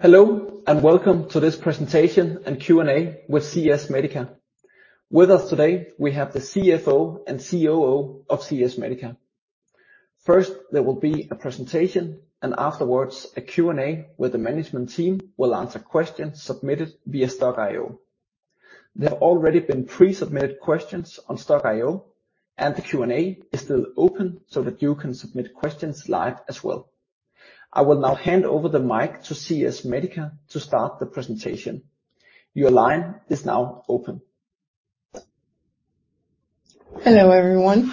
Hello, and welcome to this presentation and Q&A with CS Medica. With us today, we have the CFO and COO of CS Medica. First, there will be a presentation, and afterwards, a Q&A, where the management team will answer questions submitted via Stokk.io. There have already been pre-submitted questions on Stokk.io, and the Q&A is still open so that you can submit questions live as well. I will now hand over the mic to CS Medica to start the presentation. Your line is now open. Hello, everyone.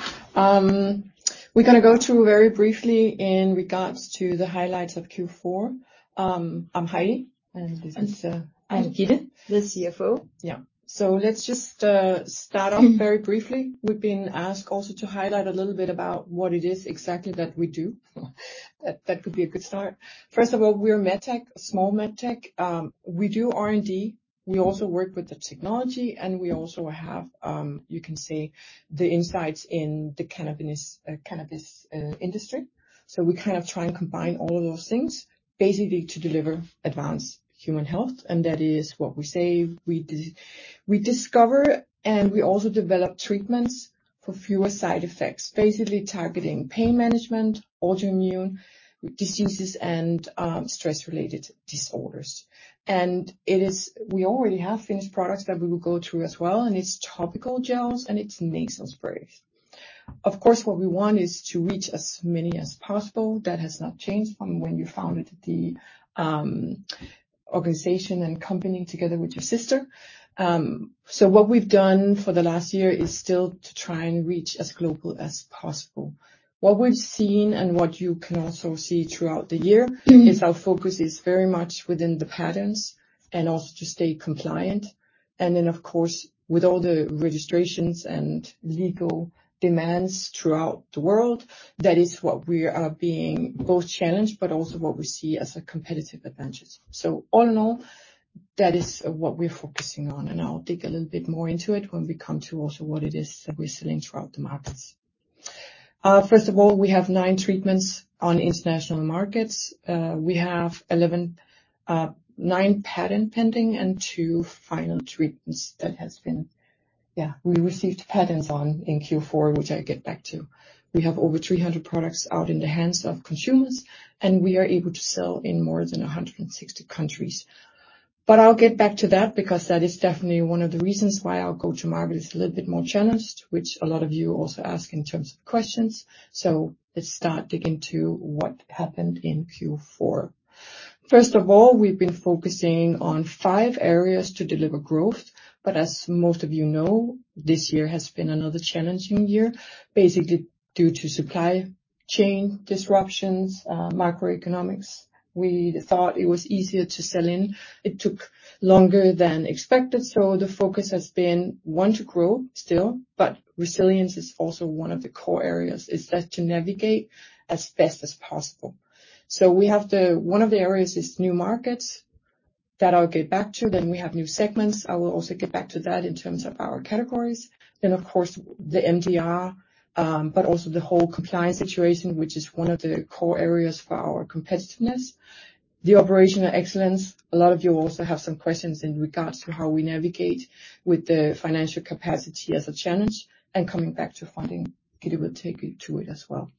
We're gonna go through very briefly in regards to the highlights of Q4. I'm Heidi, and this is Gitte, the CFO. Yeah. So let's just start off very briefly. We've been asked also to highlight a little bit about what it is exactly that we do. That could be a good start. First of all, we're MedTech, a small MedTech. We do R&D. We also work with the technology, and we also have, you can say, the insights in the cannabis industry. So we kind of try and combine all of those things, basically to deliver advanced human health, and that is what we say we discover, and we also develop treatments for fewer side effects, basically targeting pain management, autoimmune diseases, and stress-related disorders. It is, we already have finished products that we will go through as well, and it's topical gels, and it's nasal sprays. Of course, what we want is to reach as many as possible. That has not changed from when you founded the organization and company together with your sister. So what we've done for the last year is still to try and reach as global as possible. What we've seen and what you can also see throughout the year is our focus is very much within the patents and also to stay compliant. And then, of course, with all the registrations and legal demands throughout the world, that is what we are being both challenged, but also what we see as a competitive advantage. All in all, that is what we're focusing on, and I'll dig a little bit more into it when we come to also what it is that we're selling throughout the markets. First of all, we have nine treatments on international markets. We have 11, nine patent pending and two final treatments that has been... Yeah, we received patents on in Q4, which I'll get back to. We have over 300 products out in the hands of consumers, and we are able to sell in more than 160 countries. But I'll get back to that because that is definitely one of the reasons why our go-to-market is a little bit more challenged, which a lot of you also ask in terms of questions. So let's start digging into what happened in Q4. First of all, we've been focusing on five areas to deliver growth, but as most of you know, this year has been another challenging year, basically due to supply chain disruptions, macroeconomics. We thought it was easier to sell in. It took longer than expected, so the focus has been, one, to grow still, but resilience is also one of the core areas, is that to navigate as best as possible. So we have the one of the areas is new markets, that I'll get back to. Then we have new segments. I will also get back to that in terms of our categories. Then, of course, the MDR, but also the whole compliance situation, which is one of the core areas for our competitiveness. The operational excellence, a lot of you also have some questions in regards to how we navigate with the financial capacity as a challenge and coming back to funding. Gitte will take you to it as well.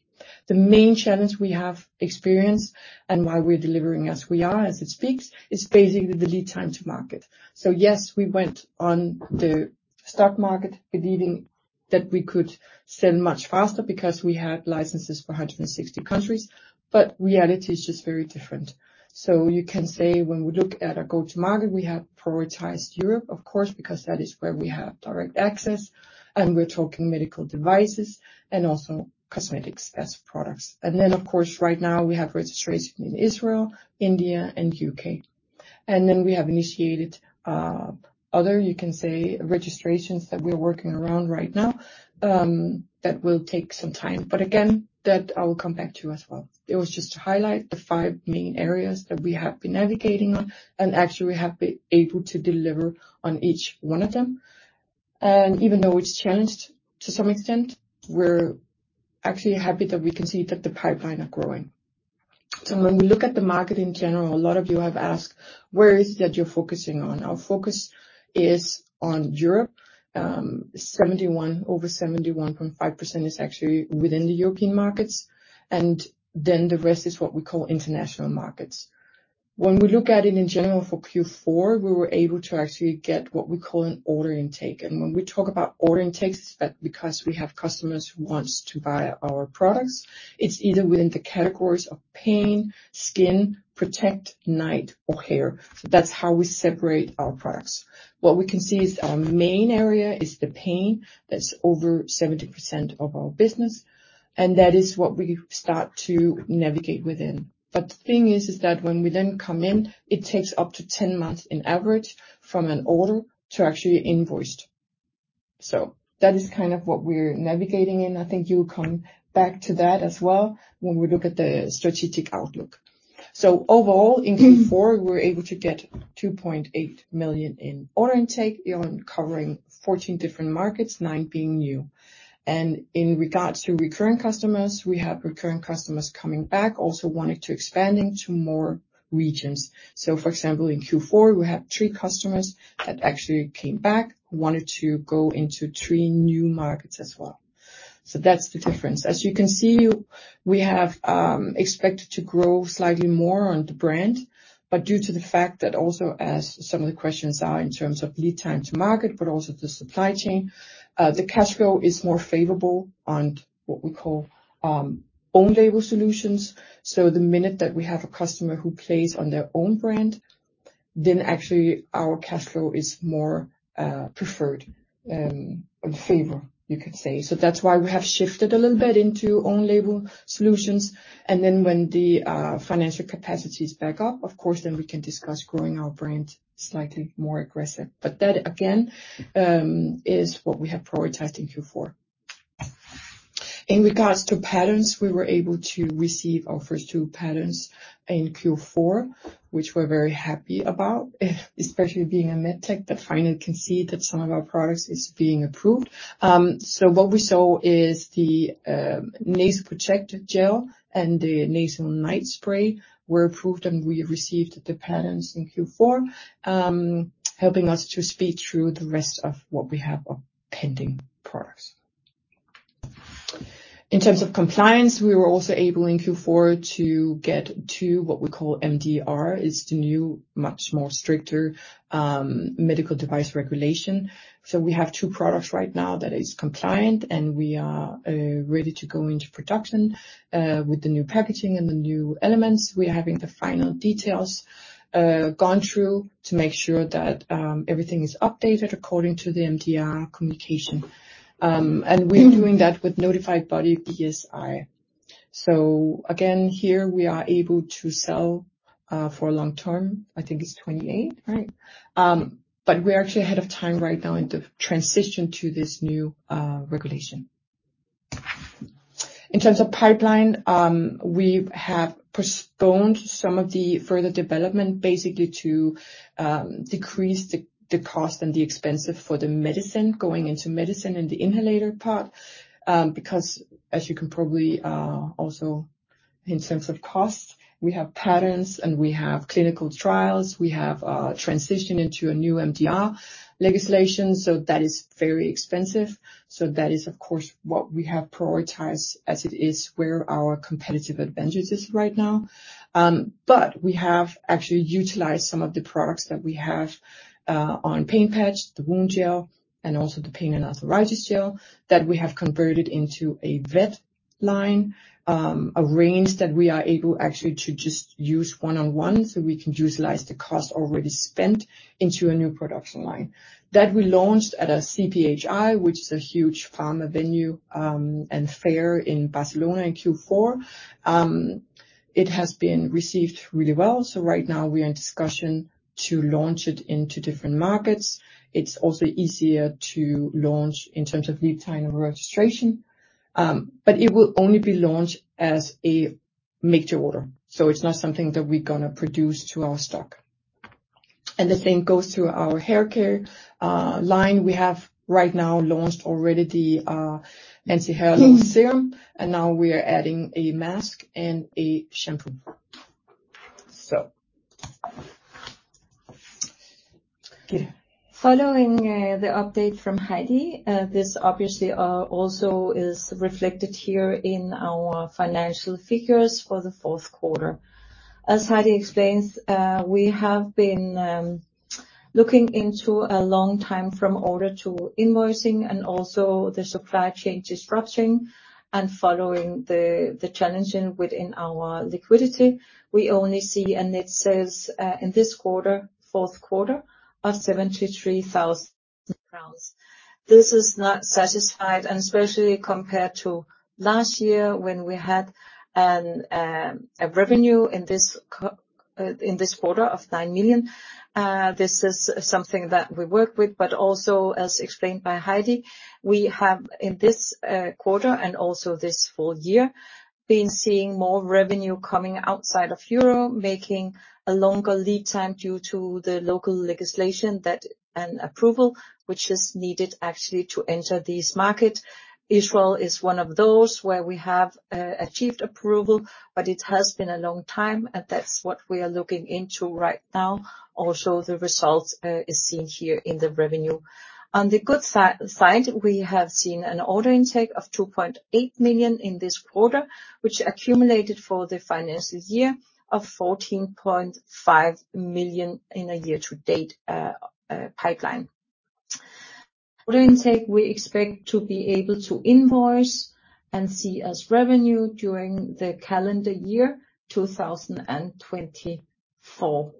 The main challenge we have experienced and why we're delivering as we are, as it speaks, is basically the lead time to market. So yes, we went on the stock market believing that we could sell much faster because we had licenses for 160 countries, but reality is just very different. So you can say when we look at our go-to-market, we have prioritized Europe, of course, because that is where we have direct access, and we're talking medical devices and also cosmetics as products. And then, of course, right now, we have registration in Israel, India, and U.K. Then we have initiated other, you can say, registrations that we're working around right now, that will take some time. But again, that I will come back to you as well. It was just to highlight the five main areas that we have been navigating on, and actually, we have been able to deliver on each one of them. And even though it's challenged to some extent, we're actually happy that we can see that the pipeline are growing. So when we look at the market in general, a lot of you have asked, where is it that you're focusing on? Our focus is on Europe. Over 71.5% is actually within the European markets, and then the rest is what we call international markets. When we look at it in general for Q4, we were able to actually get what we call an order intake. When we talk about order intakes, it's that because we have customers who wants to buy our products, it's either within the categories of pain, skin, protect, night or hair. That's how we separate our products. What we can see is our main area is the pain. That's over 70% of our business, and that is what we start to navigate within. The thing is, that when we then come in, it takes up to 10 months in average from an order to actually invoiced. That is kind of what we're navigating in. I think you'll come back to that as well when we look at the strategic outlook... Overall, in Q4, we're able to get 2.8 million in order intake covering 14 different markets, nine being new. In regards to recurring customers, we have recurring customers coming back, also wanting to expanding to more regions. So for example, in Q4, we had three customers that actually came back, wanted to go into three new markets as well. So that's the difference. As you can see, we have expected to grow slightly more on the brand, but due to the fact that also as some of the questions are in terms of lead time to market, but also the supply chain, the cash flow is more favorable on what we call own label solutions. The minute that we have a customer who plays on their own brand, then actually our cash flow is more preferred in favor, you could say. So that's why we have shifted a little bit into own label solutions, and then when the financial capacity is back up, of course, then we can discuss growing our brand slightly more aggressive. But that, again, is what we have prioritized in Q4. In regards to patents, we were able to receive our first two patents in Q4, which we're very happy about, especially being a MedTech, that finally can see that some of our products is being approved. What we saw is the nasal protective gel and the nasal night spray were approved, and we received the patents in Q4, helping us to speed through the rest of what we have of pending products. In terms of compliance, we were also able in Q4 to get to what we call MDR. It's the new, much more stricter medical device regulation. So we have two products right now that is compliant, and we are ready to go into production with the new packaging and the new elements. We are having the final details gone through to make sure that everything is updated according to the MDR communication. And we're doing that with notified body, BSI. So again, here we are able to sell for long term, I think it's 28, right? We're actually ahead of time right now in the transition to this new regulation. In terms of pipeline, we have postponed some of the further development, basically to decrease the cost and the expenses for the medicine, going into medicine and the inhaler part. Because, as you can probably also in terms of cost, we have patents and we have clinical trials. We have transition into a new MDR legislation, so that is very expensive. That is, of course, what we have prioritized as it is where our competitive advantage is right now. We have actually utilized some of the products that we have on pain patch, the wound gel, and also the pain and arthritis gel, that we have converted into a vet line, a range that we are able actually to just use one-on-one, so we can utilize the cost already spent into a new production line that we launched at a CPHI, which is a huge pharma venue and fair in Barcelona in Q4. It has been received really well, so right now we are in discussion to launch it into different markets. It's also easier to launch in terms of lead time and registration, but it will only be launched as a make-to-order, so it's not something that we're gonna produce to our stock. The same goes to our haircare line. We have right now launched already the anti-hair loss serum, and now we are adding a mask and a shampoo. So, Gitte. Following the update from Heidi, this obviously also is reflected here in our financial figures for the fourth quarter. As Heidi explains, we have been looking into a long time from order to invoicing and also the supply chain disruption and following the challenging within our liquidity. We only see net sales in this quarter, fourth quarter, of DKK 73,000. This is not satisfied, and especially compared to last year, when we had a revenue in this quarter of 9 million. This is something that we work with, but also, as explained by Heidi, we have, in this quarter and also this full year, been seeing more revenue coming outside of Europe, making a longer lead time due to the local legislation that an approval, which is needed actually to enter this market. Israel is one of those where we have achieved approval, but it has been a long time, and that's what we are looking into right now. Also, the results is seen here in the revenue. On the good side, we have seen an order intake of 2.8 million in this quarter, which accumulated for the financial year of 14.5 million in a year-to-date pipeline. Order intake, we expect to be able to invoice and see as revenue during the calendar year 2024.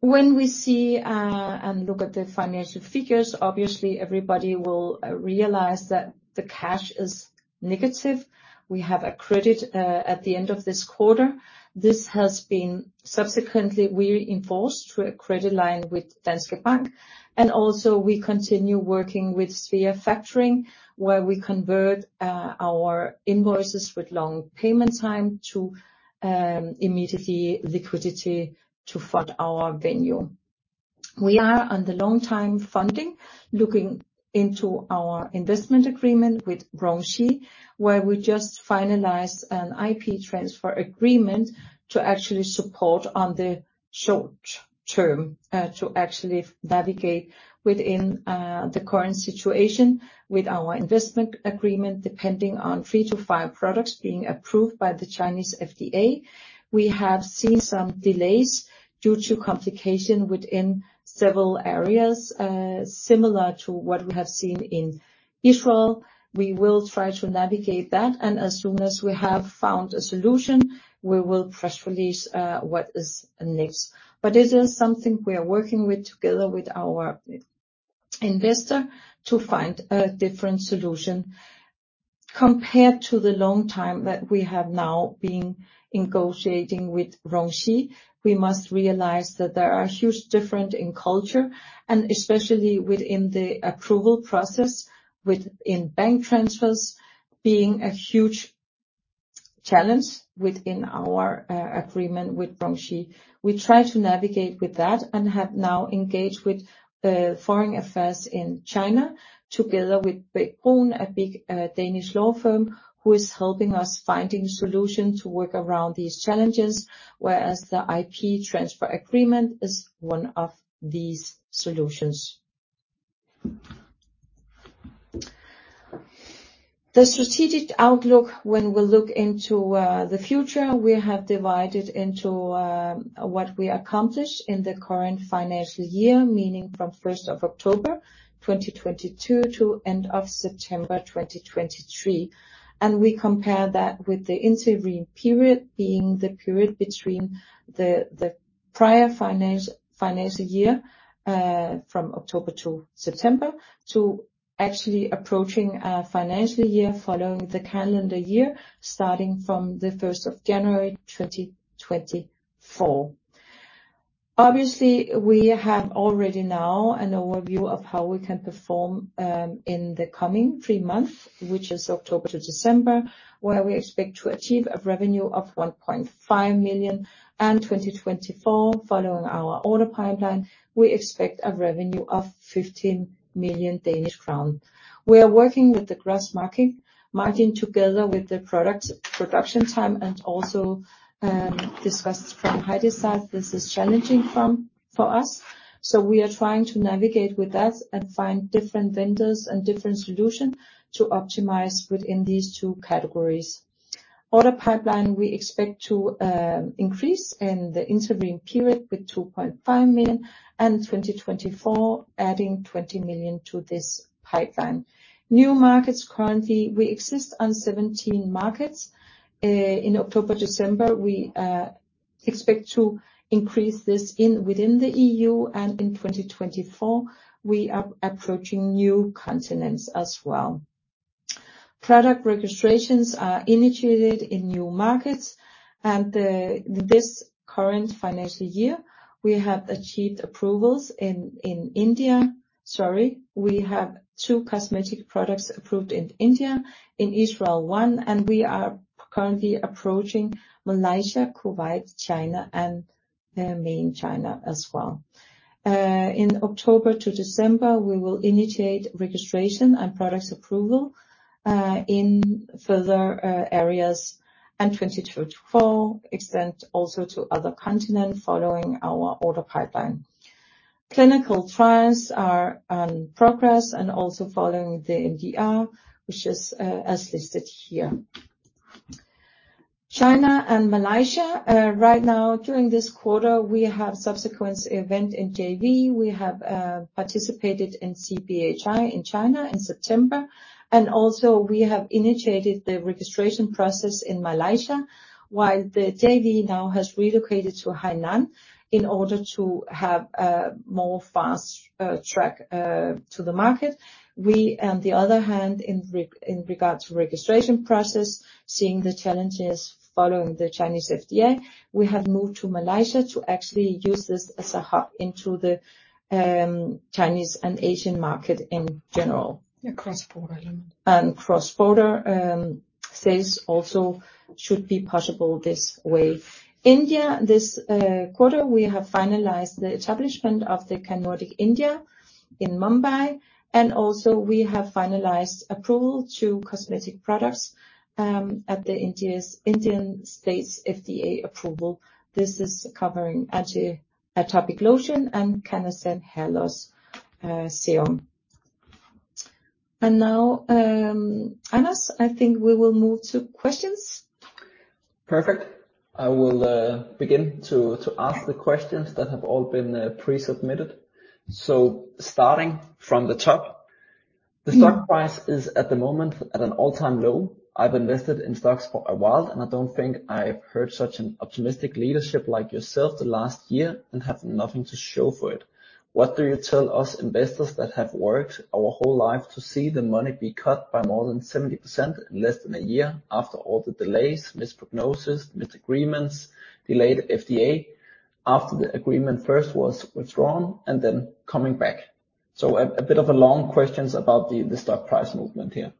When we see and look at the financial figures, obviously everybody will realize that the cash is negative. We have a credit at the end of this quarter. This has been subsequently reinforced through a credit line with Danske Bank, and also we continue working with Svea Factoring, where we convert, our invoices with long payment time to, immediately liquidity to fund our revenue. We are on the long time funding, looking into our investment agreement with RongShi, where we just finalized an IP transfer agreement to actually support on the short term, to actually navigate within, the current situation with our investment agreement, depending on three to five products being approved by the Chinese FDA. We have seen some delays due to complication within several areas, similar to what we have seen in Israel. We will try to navigate that, and as soon as we have found a solution, we will press release, what is next. This is something we are working with together with our investor, to find a different solution. Compared to the long time that we have now been negotiating with RongShi, we must realize that there are huge different in culture, and especially within the approval process, within bank transfers, being a huge challenge within our agreement with RongShi. We try to navigate with that and have now engaged with foreign affairs in China, together with Bech-Bruun, a big Danish law firm, who is helping us finding solution to work around these challenges, whereas the IP transfer agreement is one of these solutions. The strategic outlook, when we look into the future, we have divided into what we accomplished in the current financial year, meaning from first of October 2022 to end of September 2023. We compare that with the interim period, being the period between the prior financial year from October to September, to actually approaching a financial year following the calendar year, starting from January 1st, 2024. Obviously, we have already now an overview of how we can perform in the coming three months, which is October to December, where we expect to achieve a revenue of 1.5 million, and 2024, following our order pipeline, we expect a revenue of 15 million Danish crown. We are working with the gross margin together with the products, production time and also discussed from Heidi's side, this is challenging for us, so we are trying to navigate with that and find different vendors and different solution to optimize within these two categories. Order pipeline, we expect to increase in the intervening period with 2.5 million, and 2024, adding 20 million to this pipeline. New markets, currently, we exist on 17 markets. In October-December, we expect to increase this within the EU, and in 2024, we are approaching new continents as well. Product registrations are initiated in new markets, and this current financial year, we have achieved approvals in India. Sorry, we have two cosmetic products approved in India, in Israel, one, and we are currently approaching Malaysia, Kuwait, China, and mainland China as well. In October to December, we will initiate registration and products approval in further areas, and 2024, extend also to other continent, following our order pipeline. Clinical trials are on progress and also following the MDR, which is as listed here. China and Malaysia. Right now, during this quarter, we have subsequent event in JV. We have participated in CPHI in China in September, and also we have initiated the registration process in Malaysia, while the JV now has relocated to Hainan in order to have a more fast track to the market. We, on the other hand, in regards to registration process, seeing the challenges following the Chinese FDA, we have moved to Malaysia to actually use this as a hub into the Chinese and Asian market in general. A cross-border element. And cross-border sales also should be possible this way. India, this quarter, we have finalized the establishment of the CanNordic India in Mumbai, and also we have finalized approval to cosmetic products at the India's Indian State's FDA approval. This is covering anti-atopic lotion and CANNASEN hair loss serum. And now, Anas, I think we will move to questions. Perfect. I will begin to ask the questions that have all been pre-submitted. So starting from the top: The stock price is, at the moment, at an all-time low. I've invested in stocks for a while, and I don't think I've heard such an optimistic leadership like yourself the last year and have nothing to show for it. What do you tell us, investors, that have worked our whole life to see the money be cut by more than 70% in less than a year after all the delays, misprognosis, misagreements, delayed FDA, after the agreement first was withdrawn and then coming back? So a bit of a long questions about the stock price movement here.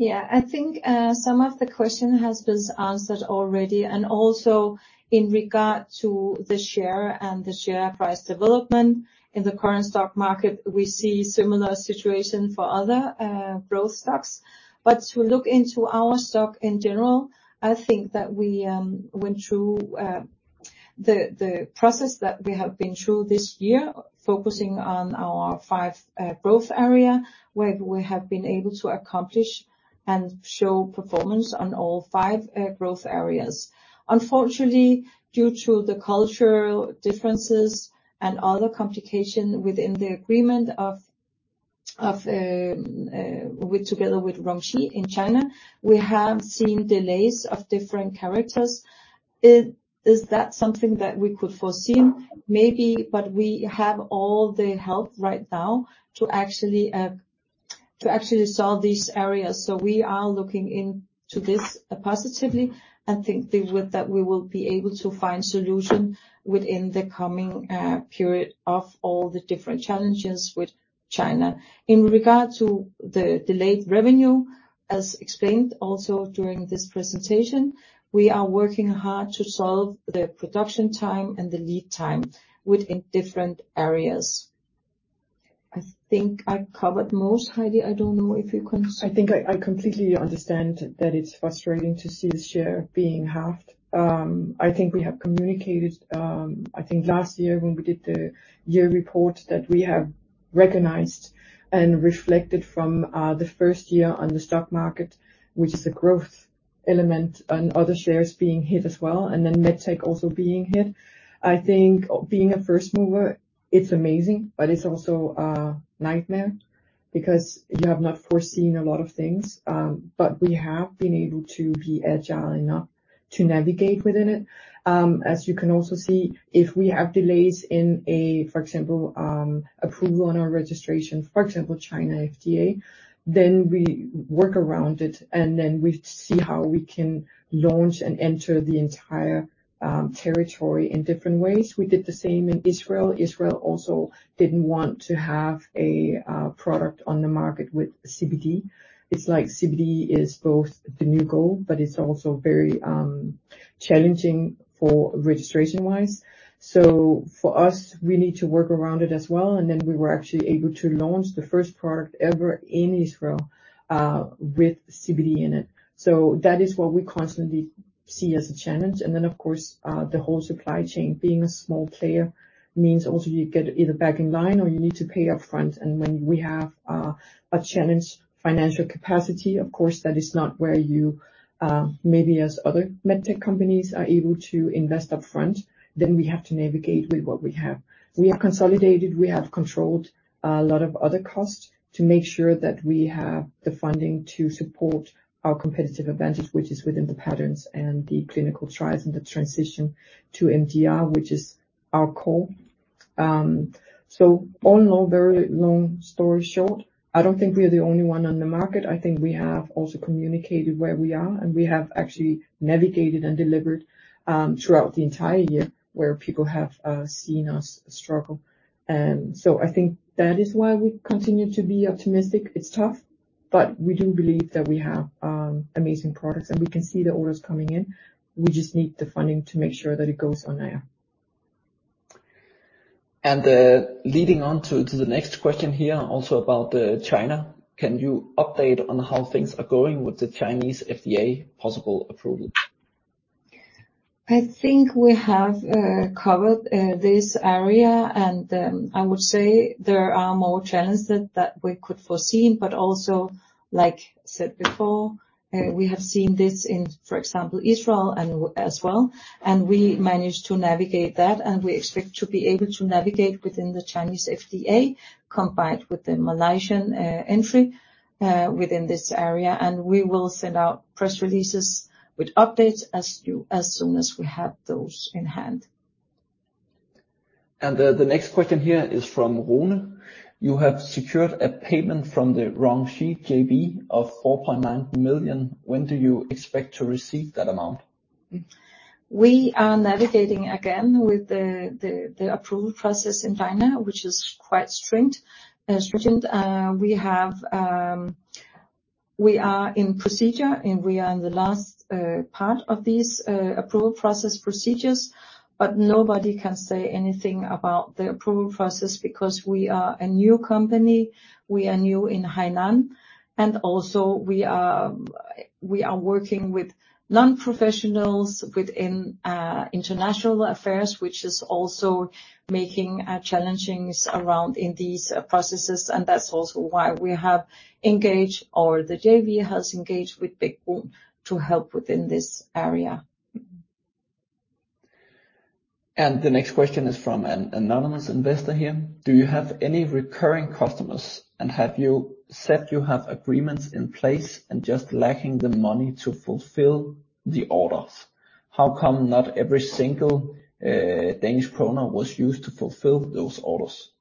Yeah, I think some of the question has been answered already, and also in regard to the share and the share price development. In the current stock market, we see similar situation for other growth stocks. But to look into our stock in general, I think that we went through the process that we have been through this year, focusing on our five growth area, where we have been able to accomplish and show performance on all five growth areas. Unfortunately, due to the cultural differences and other complication within the agreement with RongShi in China, we have seen delays of different characters. Is that something that we could foresee? Maybe, but we have all the help right now to actually solve these areas. We are looking into this positively and think that we, that we will be able to find solution within the coming period of all the different challenges with China. In regard to the delayed revenue, as explained also during this presentation, we are working hard to solve the production time and the lead time within different areas. I think I covered most, Heidi, I don't know if you can- I think I completely understand that it's frustrating to see the share being halved. I think we have communicated, I think last year when we did the year report, that we have recognized and reflected from the first year on the stock market, which is a growth element and other shares being hit as well, and then MedTech also being hit. I think being a first mover, it's amazing, but it's also a nightmare because you have not foreseen a lot of things. But we have been able to be agile enough to navigate within it. As you can also see, if we have delays in a, for example, approval on our registration, for example, China, FDA, then we work around it, and then we see how we can launch and enter the entire territory in different ways. We did the same in Israel. Israel also didn't want to have a product on the market with CBD. It's like CBD is both the new goal, but it's also very challenging for registration-wise. So for us, we need to work around it as well, and then we were actually able to launch the first product ever in Israel with CBD in it. So that is what we constantly see as a challenge. And then, of course, the whole supply chain. Being a small player means also you get either back in line or you need to pay upfront. And when we have a challenged financial capacity, of course, that is not where you maybe as other MedTech companies are able to invest upfront, then we have to navigate with what we have. We have consolidated, we have controlled a lot of other costs to make sure that we have the funding to support our competitive advantage, which is within the patterns and the clinical trials and the transition to MDR, which is our core. So all in all, very long story short, I don't think we are the only one on the market. I think we have also communicated where we are, and we have actually navigated and delivered throughout the entire year, where people have seen us struggle. And so I think that is why we continue to be optimistic. It's tough, but we do believe that we have amazing products, and we can see the orders coming in. We just need the funding to make sure that it goes on air. Leading on to the next question here, also about China. Can you update on how things are going with the Chinese FDA possible approval? I think we have covered this area, and I would say there are more challenges that we could foresee, but also, like I said before, we have seen this in, for example, Israel as well, and we managed to navigate that, and we expect to be able to navigate within the Chinese FDA, combined with the Malaysian entry within this area, and we will send out press releases with updates as soon as we have those in hand. The next question here is from Rune: You have secured a payment from the RongShi JV of 4.9 million. When do you expect to receive that amount? We are navigating again with the approval process in China, which is quite strict, stringent. We are in procedure, and we are in the last part of this approval process procedures, but nobody can say anything about the approval process because we are a new company, we are new in Hainan, and also we are working with non-professionals within international affairs, which is also making challenges around in these processes, and that's also why we have engaged, or the JV has engaged with Bech-Bruun to help within this area. The next question is from an anonymous investor here: Do you have any recurring customers, and have you said you have agreements in place and just lacking the money to fulfill the orders? How come not every single Danish kroner was used to fulfill those orders?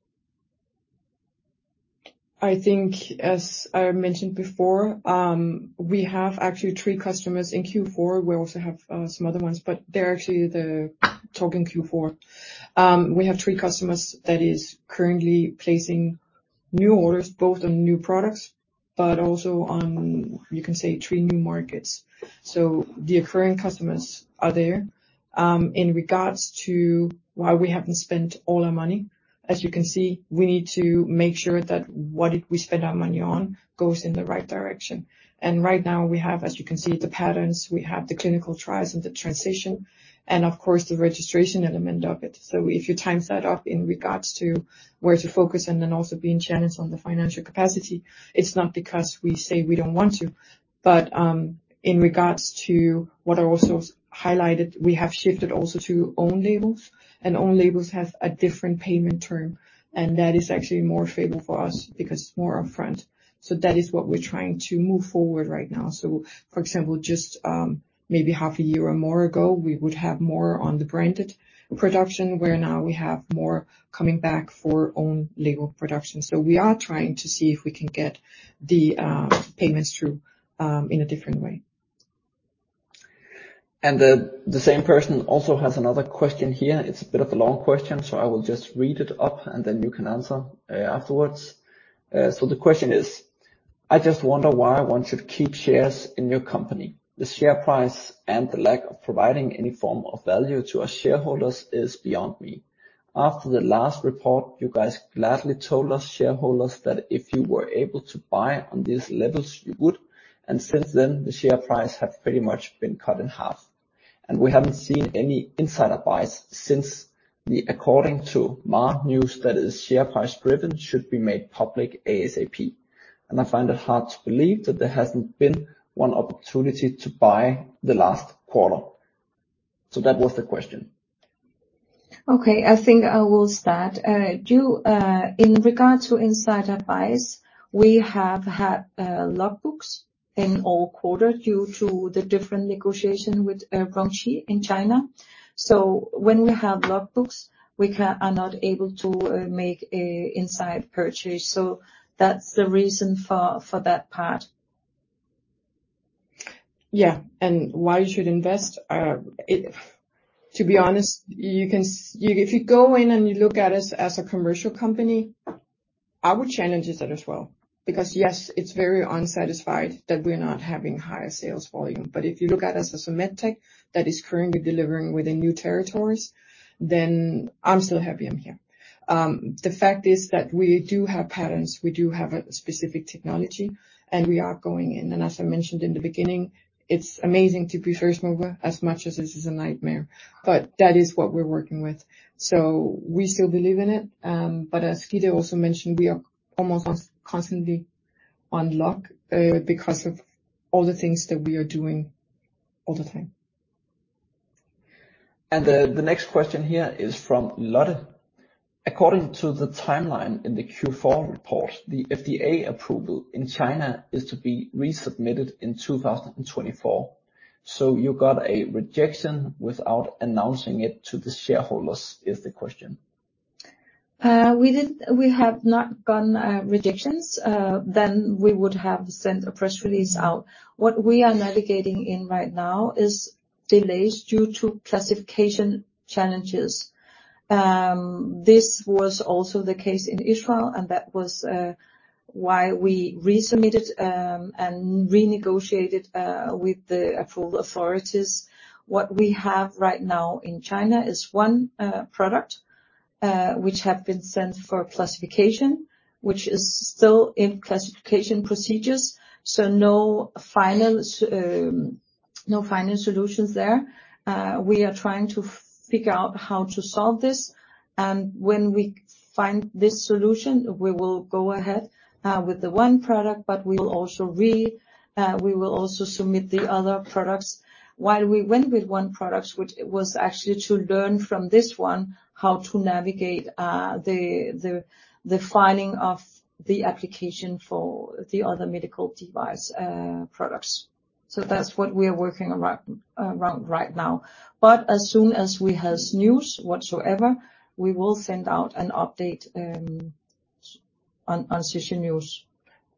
I think, as I mentioned before, we have actually three customers in Q4. We also have some other ones, but they're actually the talking Q4. We have three customers that is currently placing new orders, both on new products, but also on, you can say, three new markets. So the occurring customers are there. In regards to why we haven't spent all our money, as you can see, we need to make sure that what we spend our money on goes in the right direction. And right now, we have, as you can see, the patterns, we have the clinical trials and the transition, and of course, the registration element of it. If you time that up in regards to where to focus and then also being challenged on the financial capacity, it's not because we say we don't want to, but, in regards to what are also highlighted, we have shifted also to own labels, and own labels have a different payment term, and that is actually more favorable for us because it's more upfront. So that is what we're trying to move forward right now. So for example, just, maybe half a year or more ago, we would have more on the branded production, where now we have more coming back for own label production. So we are trying to see if we can get the, payments through, in a different way. The same person also has another question here. It's a bit of a long question, so I will just read it up, and then you can answer, afterwards. So the question is: I just wonder why one should keep shares in your company. The share price and the lack of providing any form of value to our shareholders is beyond me. After the last report, you guys gladly told us shareholders that if you were able to buy on these levels, you would, and since then, the share price have pretty much been cut in half. And we haven't seen any insider buys since the according to MAR news that is share price-driven should be made public ASAP. And I find it hard to believe that there hasn't been one opportunity to buy the last quarter. So that was the question. Okay, I think I will start. Due to the different negotiation with insider buys in China, we have had lock books in all quarter. So when we have lock books, we are not able to make an inside purchase. So that's the reason for that part. Yeah, and why you should invest? To be honest, you can if you go in and you look at us as a commercial company, I would challenge that as well, because, yes, it's very unsatisfied that we're not having higher sales volume. But if you look at us as a MedTech that is currently delivering within new territories, then I'm still happy I'm here. The fact is that we do have patents, we do have a specific technology, and we are going in. And as I mentioned in the beginning, it's amazing to be first mover as much as this is a nightmare, but that is what we're working with. So we still believe in it. But as Gitte also mentioned, we are almost constantly on lock, because of all the things that we are doing all the time. The next question here is from Lotte. According to the timeline in the Q4 report, the FDA approval in China is to be resubmitted in 2024. So you got a rejection without announcing it to the shareholders, is the question. We have not gotten rejections, then we would have sent a press release out. What we are navigating in right now is delays due to classification challenges. This was also the case in Israel, and that was why we resubmitted and renegotiated with the approval authorities. What we have right now in China is one product which have been sent for classification, which is still in classification procedures, so no final solutions there. We are trying to figure out how to solve this, and when we find this solution, we will go ahead with the one product, but we will also submit the other products. Why we went with one product, which it was actually to learn from this one, how to navigate the filing of the application for the other medical device products. So that's what we are working around right now. But as soon as we has news, whatsoever, we will send out an update on social news.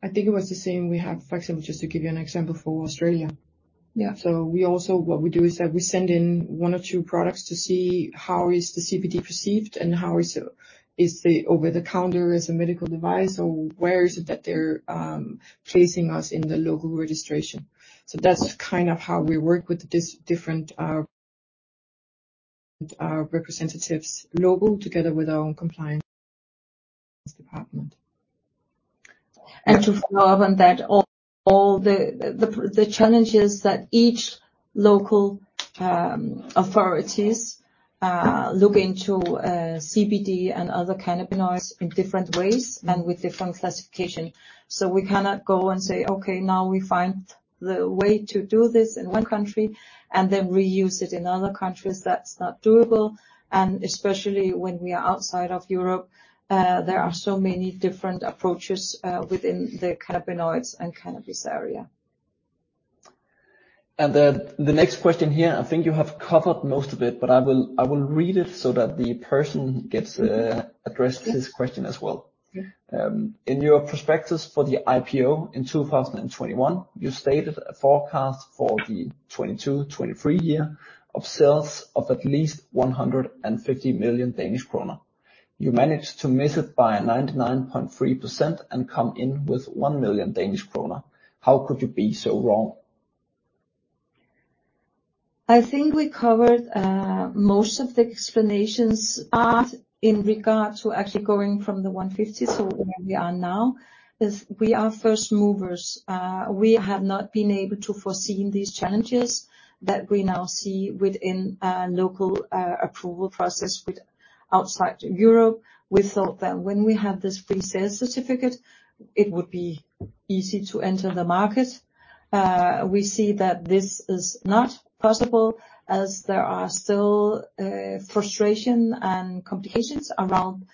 I think it was the same we have, for example, just to give you an example for Australia. Yeah. We also, what we do is that we send in one or two products to see how is the CBD perceived and how is the over-the-counter as a medical device, or where is it that they're placing us in the local registration. So that's kind of how we work with this different representatives, local, together with our own compliance department. To follow on that, all the challenges that each local authorities look into CBD and other cannabinoids in different ways and with different classification. So we cannot go and say, "Okay, now we find the way to do this in one country and then reuse it in other countries." That's not doable, and especially when we are outside of Europe, there are so many different approaches within the cannabinoids and cannabis area. The next question here, I think you have covered most of it, but I will read it so that the person gets his question addressed as well. Yeah. In your prospectus for the IPO in 2021, you stated a forecast for the 2022-2023 year of sales of at least 150 million Danish kroner. You managed to miss it by 99.3% and come in with 1 million Danish kroner. How could you be so wrong? I think we covered most of the explanations are in regard to actually going from the 150, so where we are now is we are first movers. We have not been able to foresee these challenges that we now see within local approval process with outside Europe. We thought that when we have this pre-sale certificate, it would be easy to enter the market. We see that this is not possible, as there are still frustration and complications around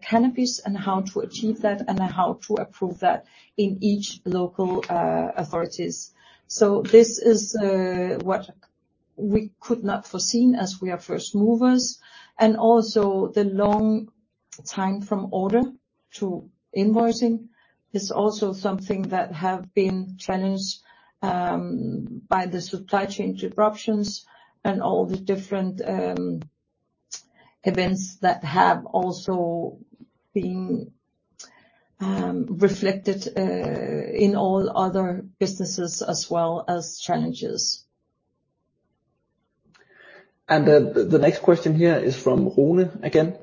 cannabis and how to achieve that and how to approve that in each local authorities. This is what we could not foreseen as we are first movers, and also the long time from order to invoicing is also something that have been challenged by the supply chain disruptions and all the different events that have also been reflected in all other businesses as well as challenges. The next question here is from Rune again: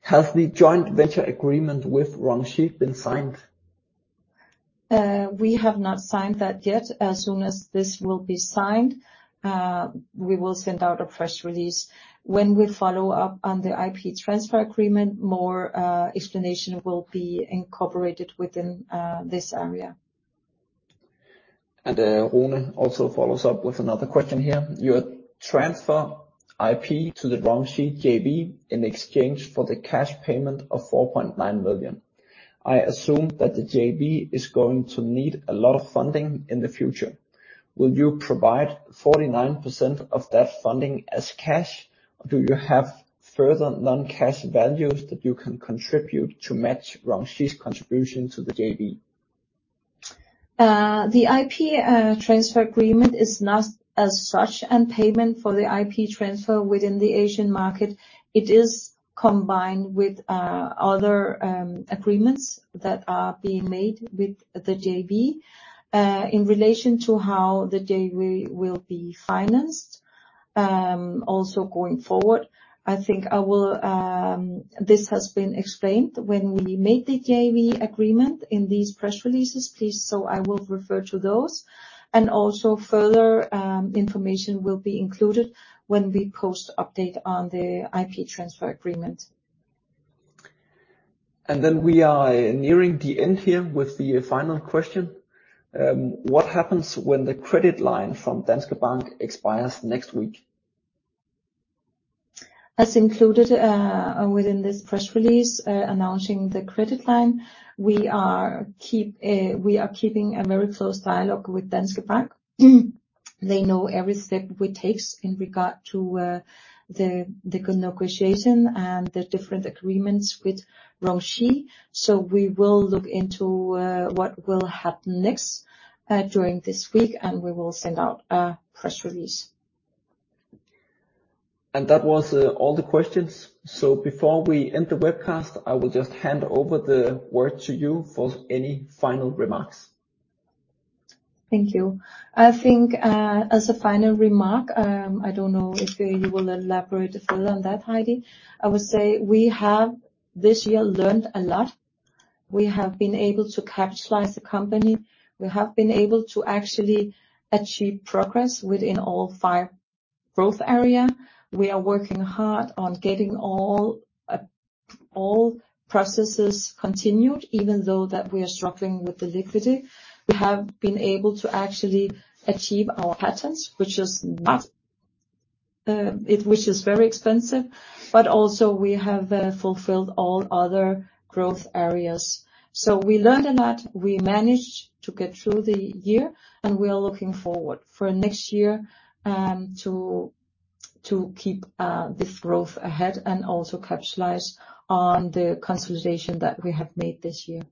Has the joint venture agreement with RongShi been signed? We have not signed that yet. As soon as this will be signed, we will send out a press release. When we follow up on the IP transfer agreement, more, explanation will be incorporated within, this area. Rune also follows up with another question here: You transfer IP to the RongShi JV in exchange for the cash payment of 4.9 million. I assume that the JV is going to need a lot of funding in the future. Will you provide 49% of that funding as cash, or do you have further non-cash values that you can contribute to match RongShi's contribution to the JV? The IP transfer agreement is not as such, and payment for the IP transfer within the Asian market, it is combined with other agreements that are being made with the JV. In relation to how the JV will be financed, also going forward, I think I will... This has been explained when we made the JV agreement in these press releases, please, so I will refer to those. Also further information will be included when we post update on the IP transfer agreement. We are nearing the end here with the final question. What happens when the credit line from Danske Bank expires next week? As included within this press release announcing the credit line, we are keeping a very close dialogue with Danske Bank. They know every step we take in regard to the negotiation and the different agreements with RongShi. So we will look into what will happen next during this week, and we will send out a press release. That was all the questions. So before we end the webcast, I will just hand over the word to you for any final remarks. Thank you. I think, as a final remark, I don't know if you will elaborate further on that, Heidi. I would say we have, this year, learned a lot. We have been able to capitalize the company. We have been able to actually achieve progress within all five growth area. We are working hard on getting all, all processes continued, even though that we are struggling with the liquidity. We have been able to actually achieve our patents, which is very expensive, but also we have fulfilled all other growth areas. So we learned a lot, we managed to get through the year, and we are looking forward for next year, to keep this growth ahead and also capitalize on the consolidation that we have made this year.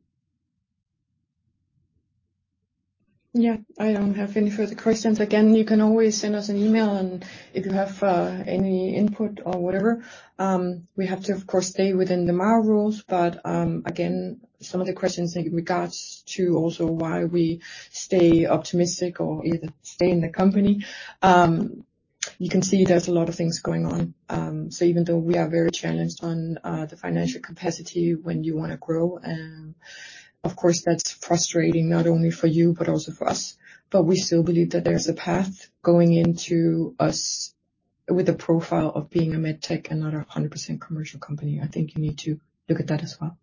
Yeah, I don't have any further questions. Again, you can always send us an email, and if you have any input or whatever, we have to, of course, stay within the MAR rules. But again, some of the questions in regards to also why we stay optimistic or either stay in the company, you can see there's a lot of things going on. So even though we are very challenged on the financial capacity, when you want to grow, of course, that's frustrating, not only for you but also for us. But we still believe that there's a path going into us with the profile of being a MedTech and not 100% commercial company. I think you need to look at that as well.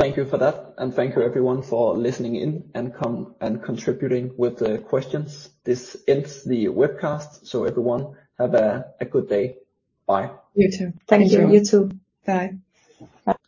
Thank you for that, and thank you, everyone, for listening in and coming and contributing with the questions. This ends the webcast, so everyone, have a good day. Bye. You too. Thank you. You too. Bye. Bye.